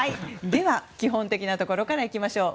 では、基本的なところからいきましょう。